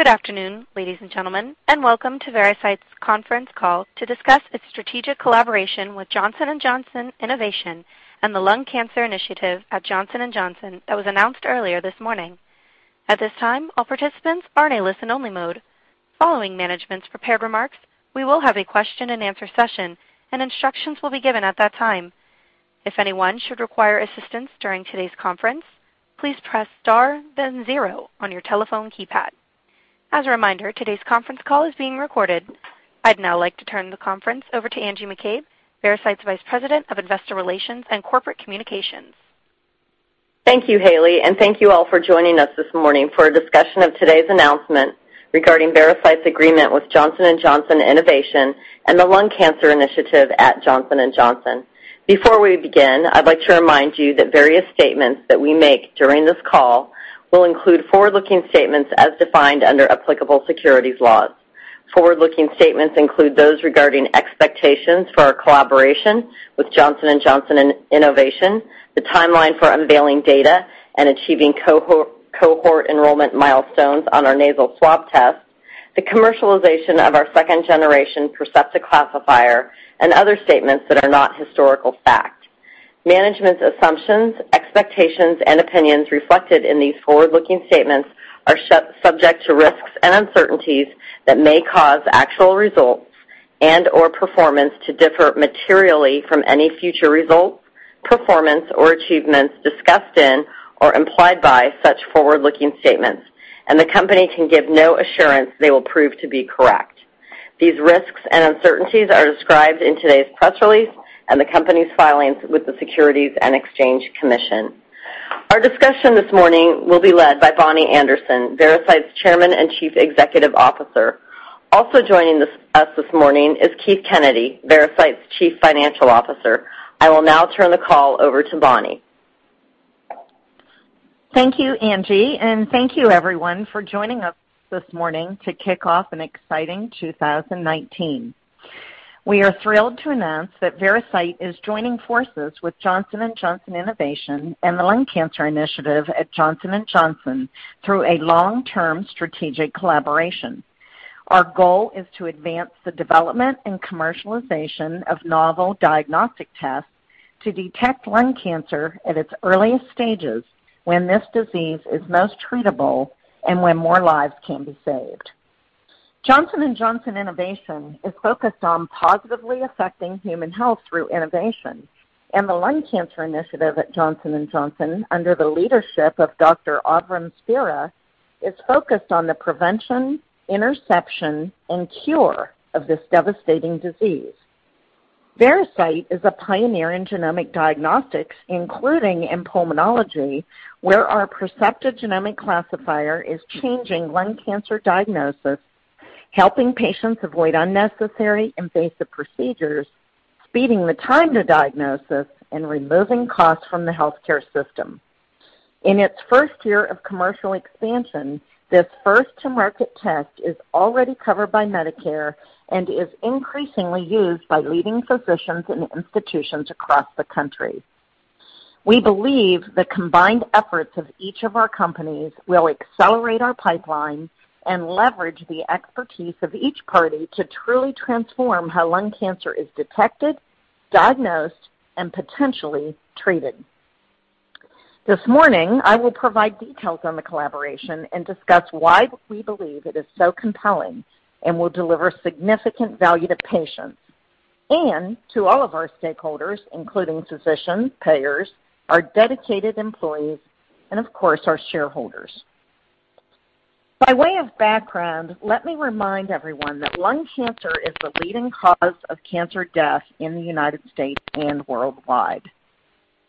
Good afternoon, ladies and gentlemen, and welcome to Veracyte's conference call to discuss its strategic collaboration with Johnson & Johnson Innovation and the Lung Cancer Initiative at Johnson & Johnson that was announced earlier this morning. At this time, all participants are in a listen-only mode. Following management's prepared remarks, we will have a question and answer session, and instructions will be given at that time. If anyone should require assistance during today's conference, please press star then zero on your telephone keypad. As a reminder, today's conference call is being recorded. I'd now like to turn the conference over to Angeline McCabe, Veracyte's Vice President of Investor Relations and Corporate Communications. Thank you, Haley, and thank you all for joining us this morning for a discussion of today's announcement regarding Veracyte's agreement with Johnson & Johnson Innovation and the Lung Cancer Initiative at Johnson & Johnson. Before we begin, I'd like to remind you that various statements that we make during this call will include forward-looking statements as defined under applicable securities laws. Forward-looking statements include those regarding expectations for our collaboration with Johnson & Johnson Innovation, the timeline for unveiling data and achieving cohort enrollment milestones on our nasal swab tests, the commercialization of our second-generation Percepta classifier, and other statements that are not historical fact. Management's assumptions, expectations, and opinions reflected in these forward-looking statements are subject to risks and uncertainties that may cause actual results and/or performance to differ materially from any future results, performance, or achievements discussed in or implied by such forward-looking statements, and the company can give no assurance they will prove to be correct. These risks and uncertainties are described in today's press release and the company's filings with the Securities and Exchange Commission. Our discussion this morning will be led by Bonnie Anderson, Veracyte's Chairman and Chief Executive Officer. Also joining us this morning is Keith Kennedy, Veracyte's Chief Financial Officer. I will now turn the call over to Bonnie. Thank you, Angeline, and thank you, everyone, for joining us this morning to kick off an exciting 2019. We are thrilled to announce that Veracyte is joining forces with Johnson & Johnson Innovation and the Lung Cancer Initiative at Johnson & Johnson through a long-term strategic collaboration. Our goal is to advance the development and commercialization of novel diagnostic tests to detect lung cancer at its earliest stages when this disease is most treatable and when more lives can be saved. Johnson & Johnson Innovation is focused on positively affecting human health through innovation. The Lung Cancer Initiative at Johnson & Johnson, under the leadership of Dr. Avrum Spira, is focused on the prevention, interception, and cure of this devastating disease. Veracyte is a pioneer in genomic diagnostics, including in pulmonology, where our Percepta genomic classifier is changing lung cancer diagnosis, helping patients avoid unnecessary invasive procedures, speeding the time to diagnosis, and removing costs from the healthcare system. In its first year of commercial expansion, this first-to-market test is already covered by Medicare and is increasingly used by leading physicians and institutions across the country. We believe the combined efforts of each of our companies will accelerate our pipeline and leverage the expertise of each party to truly transform how lung cancer is detected, diagnosed, and potentially treated. This morning, I will provide details on the collaboration and discuss why we believe it is so compelling and will deliver significant value to patients and to all of our stakeholders, including physicians, payers, our dedicated employees, and of course, our shareholders. By way of background, let me remind everyone that lung cancer is the leading cause of cancer death in the U.S. and worldwide.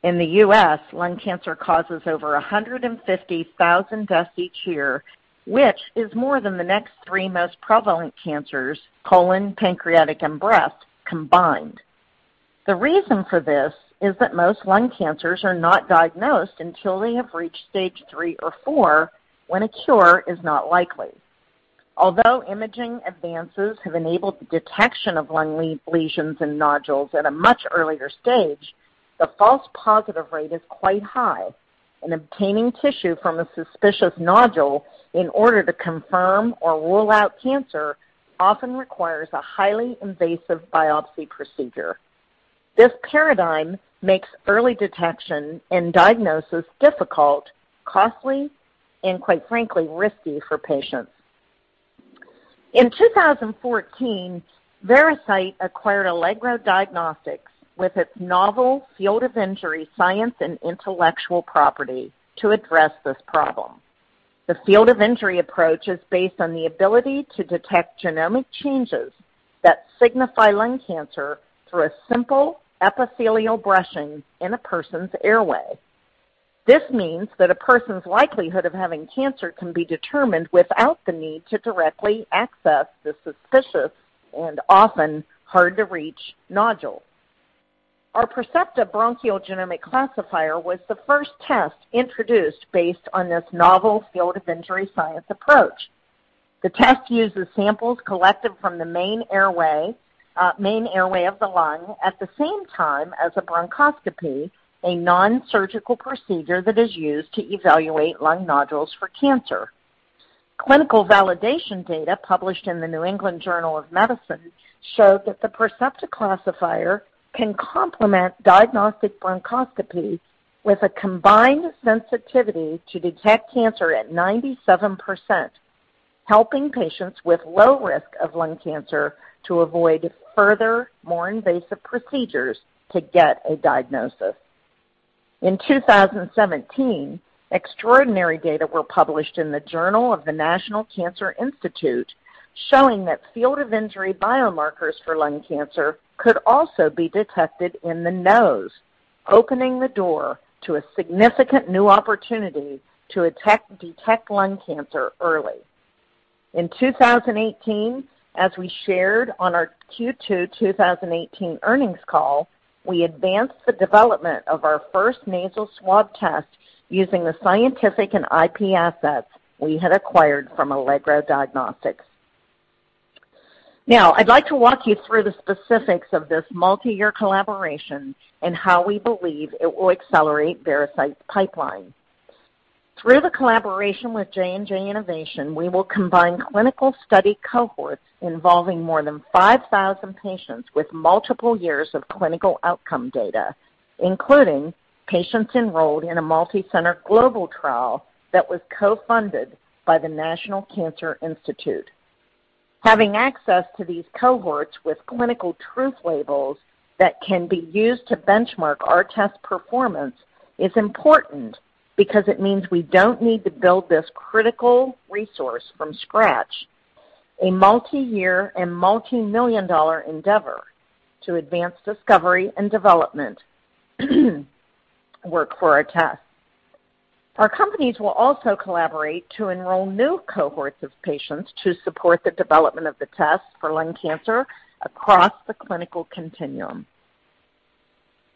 In the U.S., lung cancer causes over 150,000 deaths each year, which is more than the next three most prevalent cancers, colon, pancreatic, and breast, combined. The reason for this is that most lung cancers are not diagnosed until they have reached stage three or four, when a cure is not likely. Although imaging advances have enabled the detection of lung lesions and nodules at a much earlier stage, the false positive rate is quite high, and obtaining tissue from a suspicious nodule in order to confirm or rule out cancer often requires a highly invasive biopsy procedure. This paradigm makes early detection and diagnosis difficult, costly, and quite frankly, risky for patients. In 2014, Veracyte acquired Allegro Diagnostics with its novel field of injury science and intellectual property to address this problem. The field-of-injury approach is based on the ability to detect genomic changes that signify lung cancer through a simple epithelial brushing in a person's airway. This means that a person's likelihood of having cancer can be determined without the need to directly access the suspicious and often hard-to-reach nodule. Our Percepta Bronchial Genomic Classifier was the first test introduced based on this novel field-of-injury science approach. The test uses samples collected from the main airway of the lung at the same time as a bronchoscopy, a non-surgical procedure that is used to evaluate lung nodules for cancer. Clinical validation data published in The New England Journal of Medicine showed that the Percepta classifier can complement diagnostic bronchoscopy with a combined sensitivity to detect cancer at 97%, helping patients with low risk of lung cancer to avoid further, more invasive procedures to get a diagnosis. In 2017, extraordinary data were published in the Journal of the National Cancer Institute, showing that field of injury biomarkers for lung cancer could also be detected in the nose, opening the door to a significant new opportunity to detect lung cancer early. In 2018, as we shared on our Q2 2018 earnings call, we advanced the development of our first nasal swab test using the scientific and IP assets we had acquired from Allegro Diagnostics. I'd like to walk you through the specifics of this multi-year collaboration and how we believe it will accelerate Veracyte's pipeline. Through the collaboration with Johnson & Johnson Innovation, we will combine clinical study cohorts involving more than 5,000 patients with multiple years of clinical outcome data, including patients enrolled in a multi-center global trial that was co-funded by the National Cancer Institute. Having access to these cohorts with clinical truth labels that can be used to benchmark our test performance is important because it means we don't need to build this critical resource from scratch. A multi-year and multi-million dollar endeavor to advance discovery and development work for our test. Our companies will also collaborate to enroll new cohorts of patients to support the development of the test for lung cancer across the clinical continuum.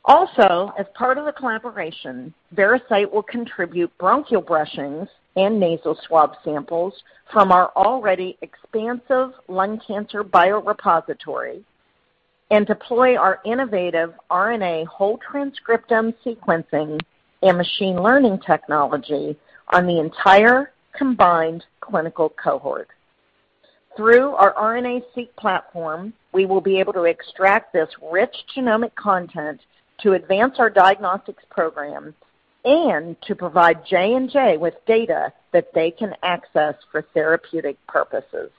As part of the collaboration, Veracyte will contribute bronchial brushings and nasal swab samples from our already expansive lung cancer biorepository and deploy our innovative RNA whole-transcriptome sequencing and machine learning technology on the entire combined clinical cohort. Through our RNA-Seq platform, we will be able to extract this rich genomic content to advance our diagnostics programs and to provide J&J with data that they can access for therapeutic purposes.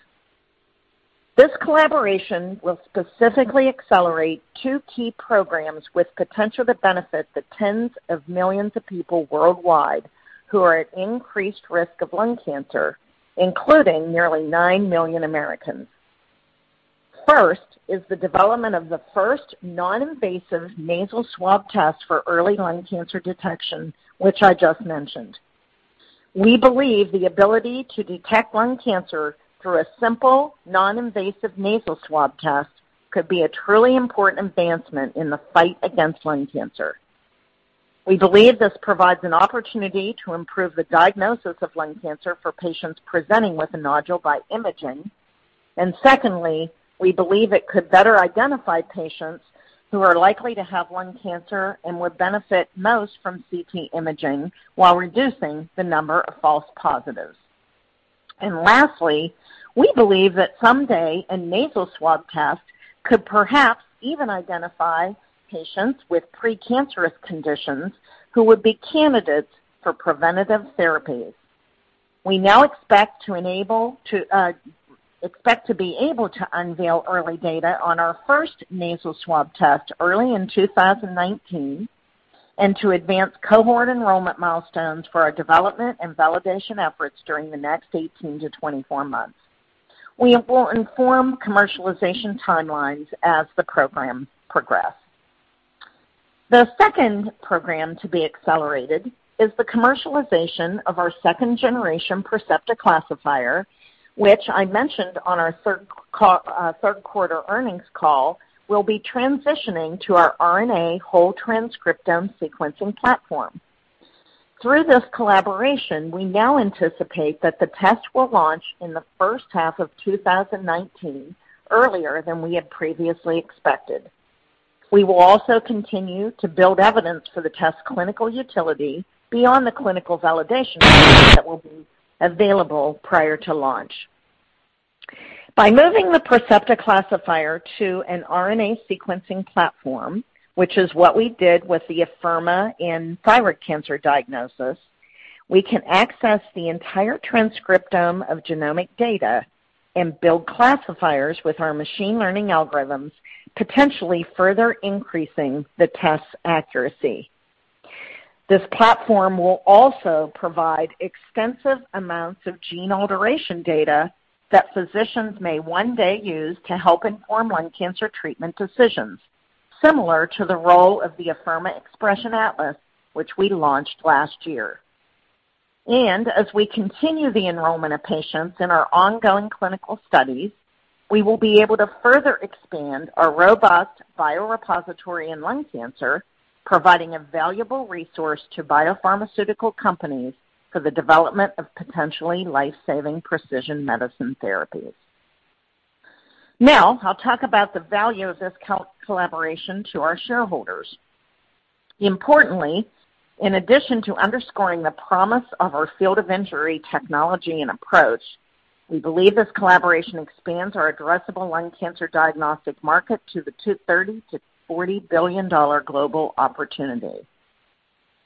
This collaboration will specifically accelerate two key programs with potential to benefit the tens of millions of people worldwide who are at increased risk of lung cancer, including nearly 9 million Americans. First is the development of the first non-invasive nasal swab test for early lung cancer detection, which I just mentioned. We believe the ability to detect lung cancer through a simple, non-invasive nasal swab test could be a truly important advancement in the fight against lung cancer. We believe this provides an opportunity to improve the diagnosis of lung cancer for patients presenting with a nodule by imaging. Secondly, we believe it could better identify patients who are likely to have lung cancer and would benefit most from CT imaging while reducing the number of false positives. Lastly, we believe that someday a nasal swab test could perhaps even identify patients with precancerous conditions who would be candidates for preventative therapies. We now expect to be able to unveil early data on our first nasal swab test early in 2019 and to advance cohort enrollment milestones for our development and validation efforts during the next 18-24 months. We will inform commercialization timelines as the program progress. The second program to be accelerated is the commercialization of our second-generation Percepta classifier, which I mentioned on our third quarter earnings call, will be transitioning to our RNA whole-transcriptome sequencing platform. Through this collaboration, we now anticipate that the test will launch in the first half of 2019, earlier than we had previously expected. We will also continue to build evidence for the test's clinical utility beyond the clinical validation data that will be available prior to launch. By moving the Percepta classifier to an RNA sequencing platform, which is what we did with the Afirma in thyroid cancer diagnosis, we can access the entire transcriptome of genomic data and build classifiers with our machine learning algorithms, potentially further increasing the test's accuracy. This platform will also provide extensive amounts of gene alteration data that physicians may one day use to help inform lung cancer treatment decisions, similar to the role of the Afirma Xpression Atlas, which we launched last year. As we continue the enrollment of patients in our ongoing clinical studies, we will be able to further expand our robust biorepository in lung cancer, providing a valuable resource to biopharmaceutical companies for the development of potentially life-saving precision medicine therapies. I'll talk about the value of this collaboration to our shareholders. Importantly, in addition to underscoring the promise of our field-of-injury technology and approach, we believe this collaboration expands our addressable lung cancer diagnostic market to the $30 billion-$40 billion global opportunity.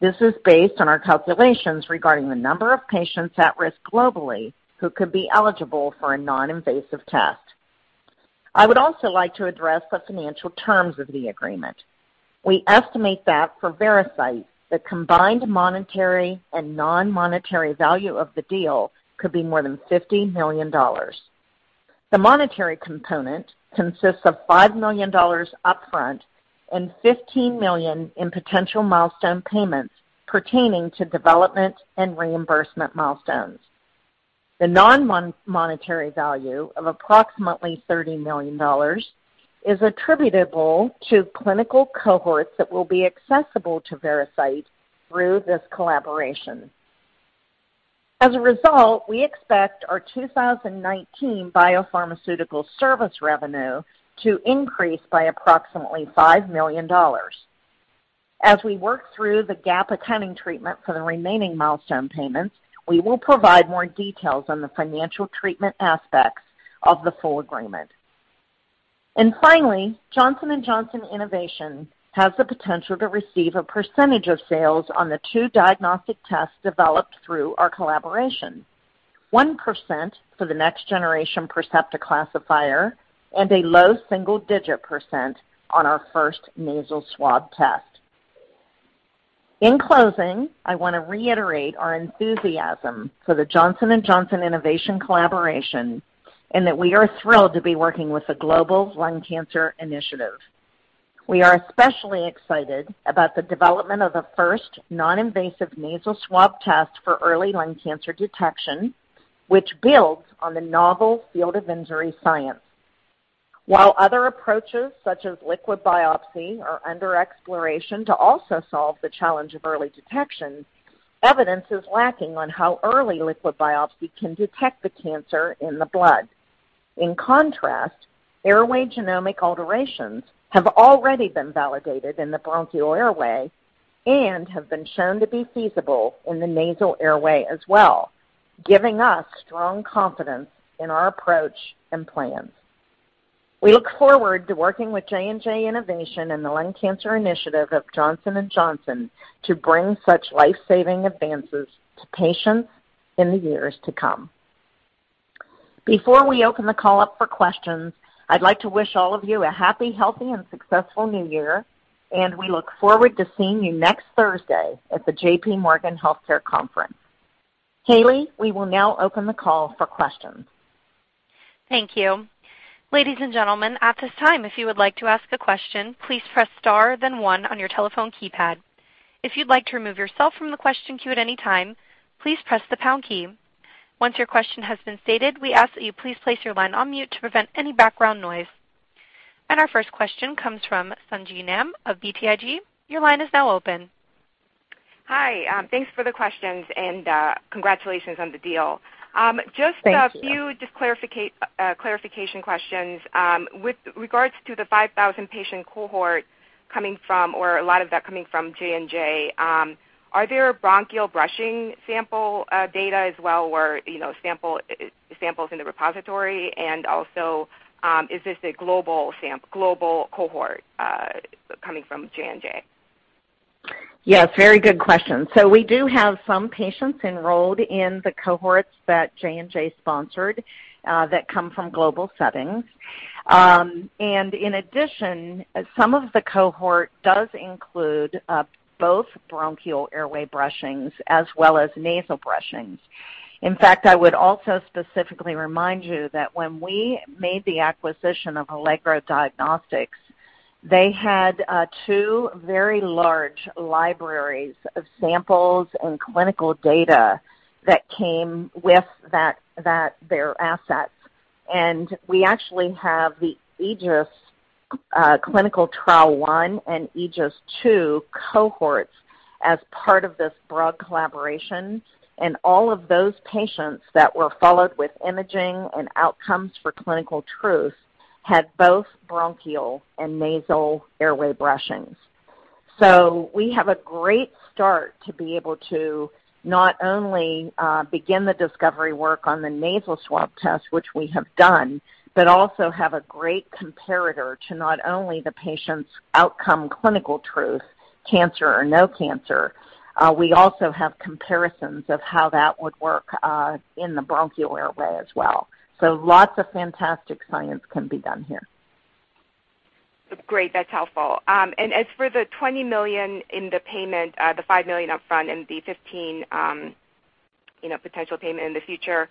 This is based on our calculations regarding the number of patients at risk globally who could be eligible for a non-invasive test. I would also like to address the financial terms of the agreement. We estimate that for Veracyte, the combined monetary and non-monetary value of the deal could be more than $50 million. The monetary component consists of $5 million upfront and $15 million in potential milestone payments pertaining to development and reimbursement milestones. The non-monetary value of approximately $30 million is attributable to clinical cohorts that will be accessible to Veracyte through this collaboration. As a result, we expect our 2019 biopharmaceutical service revenue to increase by approximately $5 million. As we work through the GAAP accounting treatment for the remaining milestone payments, we will provide more details on the financial treatment aspects of the full agreement. Finally, Johnson & Johnson Innovation has the potential to receive a percentage of sales on the two diagnostic tests developed through our collaboration, 1% for the next generation Percepta classifier and a low single-digit % on our first nasal swab test. In closing, I want to reiterate our enthusiasm for the Johnson & Johnson Innovation collaboration and that we are thrilled to be working with the Global Lung Cancer Initiative. We are especially excited about the development of the first non-invasive nasal swab test for early lung cancer detection, which builds on the novel field-of-injury science. While other approaches, such as liquid biopsy, are under exploration to also solve the challenge of early detection, evidence is lacking on how early liquid biopsy can detect the cancer in the blood. In contrast, airway genomic alterations have already been validated in the bronchial airway and have been shown to be feasible in the nasal airway as well, giving us strong confidence in our approach and plans. We look forward to working with J&J Innovation and the Lung Cancer Initiative at Johnson & Johnson to bring such life-saving advances to patients in the years to come. Before we open the call up for questions, I'd like to wish all of you a happy, healthy, and successful New Year, and we look forward to seeing you next Thursday at the J.P. Morgan Healthcare Conference. Haley, we will now open the call for questions. Thank you. Ladies and gentlemen, at this time, if you would like to ask a question, please press star then one on your telephone keypad. If you'd like to remove yourself from the question queue at any time, please press the pound key. Once your question has been stated, we ask that you please place your line on mute to prevent any background noise. Our first question comes from Sung Ji Nam of BTIG. Your line is now open. Hi. Thanks for the questions and congratulations on the deal. Thank you. Just a few clarification questions. With regards to the 5,000 patient cohort coming from, or a lot of that coming from J&J, are there bronchial brushing sample data as well where samples in the repository? Also, is this a global cohort coming from J&J? Yes, very good question. We do have some patients enrolled in the cohorts that J&J sponsored that come from global settings. In addition, some of the cohort does include both bronchial airway brushings as well as nasal brushings. In fact, I would also specifically remind you that when we made the acquisition of Allegro Diagnostics, they had two very large libraries of samples and clinical data that came with their assets. We actually have the AEGIS clinical trial I and AEGIS II cohorts as part of this broad collaboration. All of those patients that were followed with imaging and outcomes for clinical truth had both bronchial and nasal airway brushings. We have a great start to be able to not only begin the discovery work on the nasal swab test, which we have done, but also have a great comparator to not only the patient's outcome clinical truth, cancer or no cancer. We also have comparisons of how that would work in the bronchial airway as well. Lots of fantastic science can be done here. Great. That's helpful. As for the $20 million in the payment, the $5 million up front and the $15, potential payment in the future,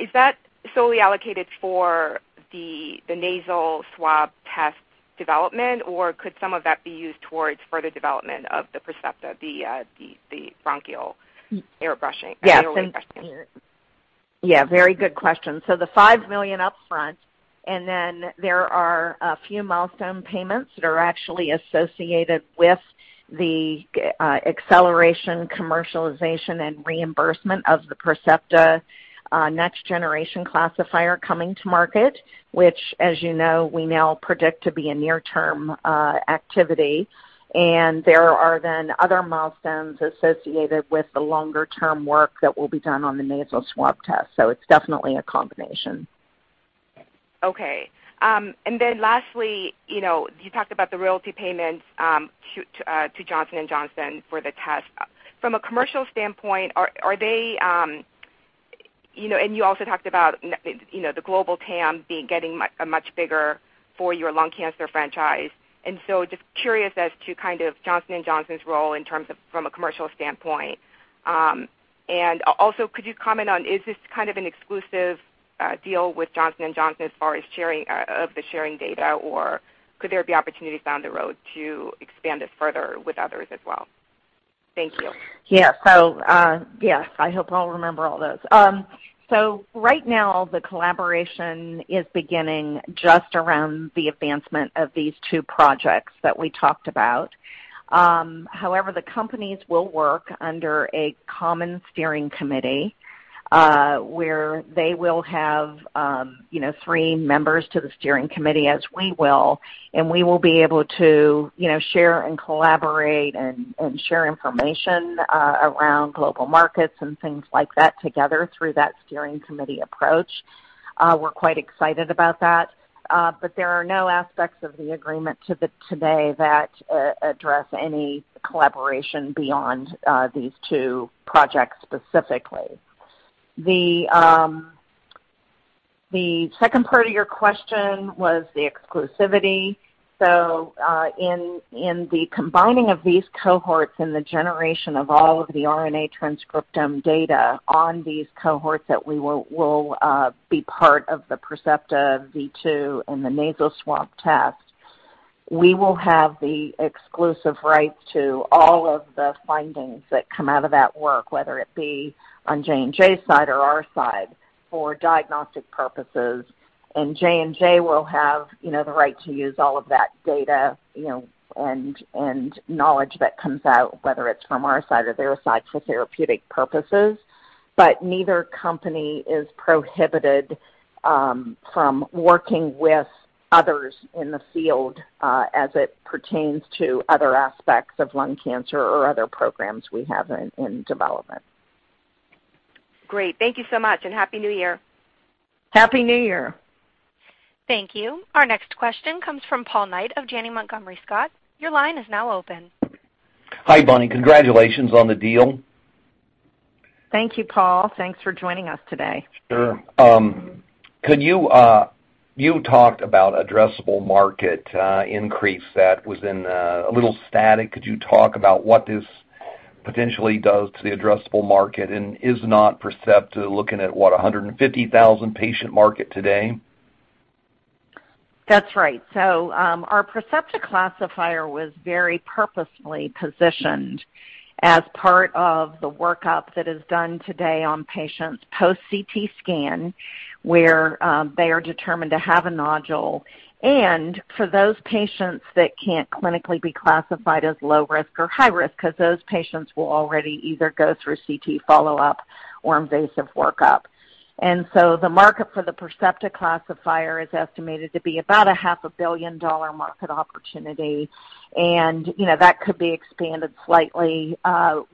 is that solely allocated for the nasal swab test development, or could some of that be used towards further development of the Percepta, the bronchial airway brushing? Yeah, very good question. The $5 million upfront, there are a few milestone payments that are actually associated with the acceleration, commercialization, and reimbursement of the Percepta next-generation classifier coming to market, which, as you know, we now predict to be a near-term activity. There are other milestones associated with the longer-term work that will be done on the nasal swab test. It's definitely a combination. Okay. Lastly, you talked about the royalty payments to Johnson & Johnson for the test. From a commercial standpoint, you also talked about the global TAM getting much bigger for your lung cancer franchise. Just curious as to kind of Johnson & Johnson's role in terms of from a commercial standpoint. Could you comment on, is this kind of an exclusive deal with Johnson & Johnson as far as of the sharing data, or could there be opportunities down the road to expand it further with others as well? Thank you. Yeah. Yes, I hope I'll remember all those. Right now, the collaboration is beginning just around the advancement of these two projects that we talked about. However, the companies will work under a common steering committee, where they will have three members to the steering committee, as we will, and we will be able to share and collaborate and share information around global markets and things like that together through that steering committee approach. We're quite excited about that. There are no aspects of the agreement today that address any collaboration beyond these two projects specifically. The second part of your question was the exclusivity. In the combining of these cohorts and the generation of all of the RNA transcriptome data on these cohorts that will be part of the Percepta V2 and the nasal swab test, we will have the exclusive rights to all of the findings that come out of that work, whether it be on J&J's side or our side, for diagnostic purposes. J&J will have the right to use all of that data and knowledge that comes out, whether it's from our side or their side, for therapeutic purposes. Neither company is prohibited from working with others in the field as it pertains to other aspects of lung cancer or other programs we have in development. Great. Thank you so much, and Happy New Year. Happy New Year. Thank you. Our next question comes from Paul Knight of Janney Montgomery Scott. Your line is now open. Hi, Bonnie. Congratulations on the deal. Thank you, Paul. Thanks for joining us today. Sure. You talked about addressable market increase that was a little static. Could you talk about what this potentially does to the addressable market, and is not Percepta looking at, what, 150,000 patient market today? That's right. Our Percepta classifier was very purposefully positioned as part of the workup that is done today on patients post CT scan, where they are determined to have a nodule and for those patients that can't clinically be classified as low risk or high risk because those patients will already either go through CT follow-up or invasive workup. The market for the Percepta classifier is estimated to be about a half a billion-dollar market opportunity, and that could be expanded slightly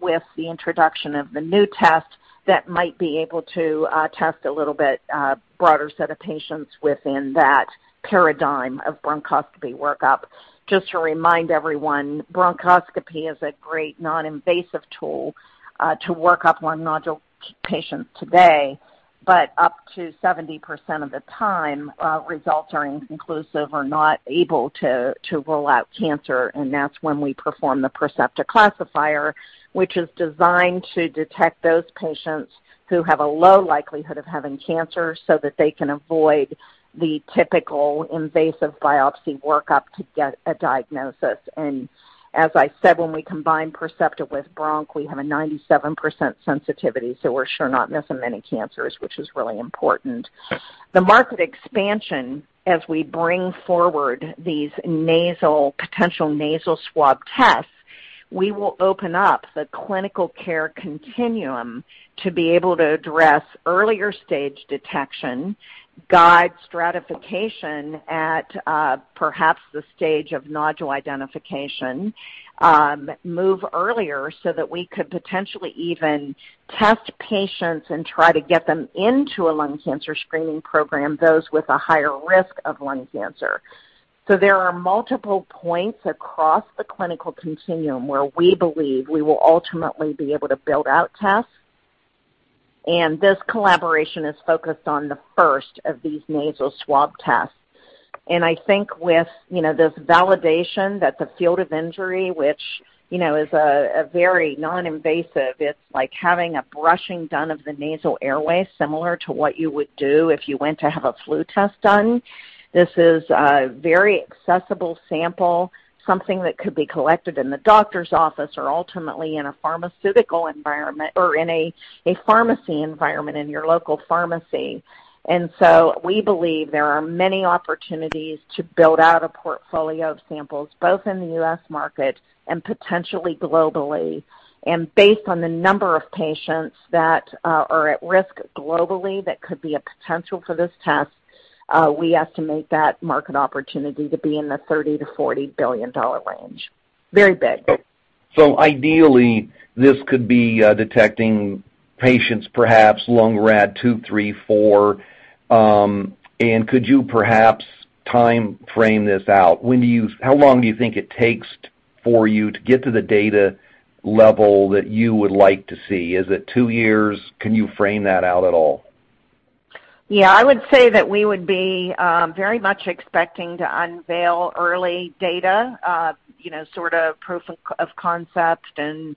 with the introduction of the new test that might be able to test a little bit broader set of patients within that paradigm of bronchoscopy workup. Just to remind everyone, bronchoscopy is a great non-invasive tool to workup lung nodule patients today, up to 70% of the time, results are inconclusive or not able to rule out cancer, and that's when we perform the Percepta classifier, which is designed to detect those patients who have a low likelihood of having cancer so that they can avoid the typical invasive biopsy workup to get a diagnosis. As I said, when we combine Percepta with bronch, we have a 97% sensitivity, so we're sure not missing many cancers, which is really important. The market expansion, as we bring forward these potential nasal swab tests, we will open up the clinical care continuum to be able to address earlier stage detection, guide stratification at perhaps the stage of nodule identification, move earlier so that we could potentially even test patients and try to get them into a lung cancer screening program, those with a higher risk of lung cancer. There are multiple points across the clinical continuum where we believe we will ultimately be able to build out tests. This collaboration is focused on the first of these nasal swab tests. I think with this validation that the field of injury, which is very non-invasive, it's like having a brushing done of the nasal airway, similar to what you would do if you went to have a flu test done. This is a very accessible sample, something that could be collected in the doctor's office or ultimately in a pharmaceutical environment, or in a pharmacy environment, in your local pharmacy. We believe there are many opportunities to build out a portfolio of samples, both in the U.S. market and potentially globally. Based on the number of patients that are at risk globally that could be a potential for this test, we estimate that market opportunity to be in the $30 billion-$40 billion range. Very big. Ideally, this could be detecting patients, perhaps Lung-RADS two, three, four. Could you perhaps timeframe this out? How long do you think it takes for you to get to the data level that you would like to see? Is it two years? Can you frame that out at all? I would say that we would be very much expecting to unveil early data, sort of proof of concept and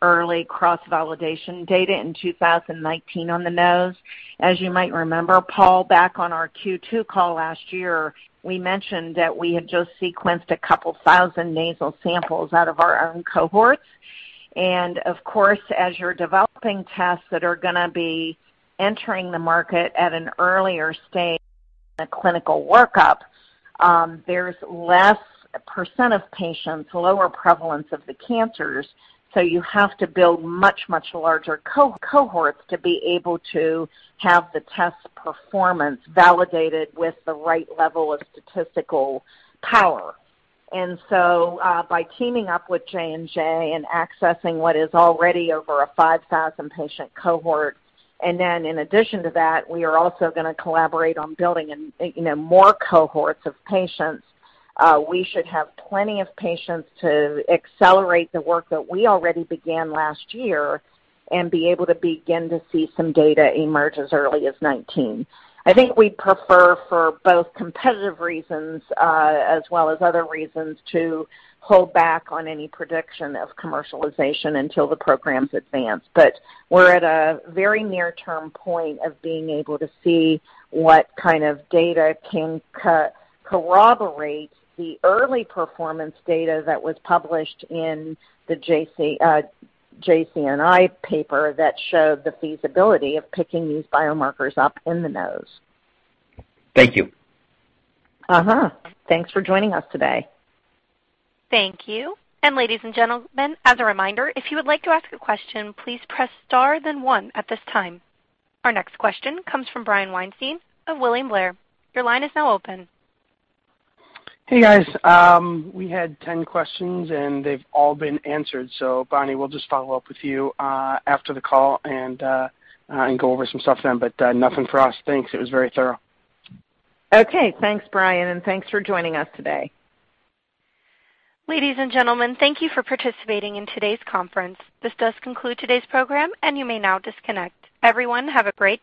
early cross-validation data in 2019 on the nose. As you might remember, Paul, back on our Q2 call last year, we mentioned that we had just sequenced a couple thousand nasal samples out of our own cohorts. Of course, as you're developing tests that are going to be entering the market at an earlier stage in a clinical workup, there's less percent of patients, lower prevalence of the cancers. You have to build much, much larger cohorts to be able to have the test performance validated with the right level of statistical power. By teaming up with J&J and accessing what is already over a 5,000 patient cohort. In addition to that, we are also going to collaborate on building more cohorts of patients. We should have plenty of patients to accelerate the work that we already began last year and be able to begin to see some data emerge as early as 2019. I think we'd prefer for both competitive reasons, as well as other reasons, to hold back on any prediction of commercialization until the programs advance. We're at a very near-term point of being able to see what kind of data can corroborate the early performance data that was published in the JNCI paper that showed the feasibility of picking these biomarkers up in the nose. Thank you. Thanks for joining us today. Thank you. Ladies and gentlemen, as a reminder, if you would like to ask a question, please press star then one at this time. Our next question comes from Brian Weinstein of William Blair. Your line is now open. Hey, guys. We had 10 questions, and they've all been answered. Bonnie, we'll just follow up with you after the call and go over some stuff then, nothing for us. Thanks. It was very thorough. Okay. Thanks, Brian. Thanks for joining us today. Ladies and gentlemen, thank you for participating in today's conference. This does conclude today's program, and you may now disconnect. Everyone, have a great day.